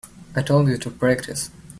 I told you to practice.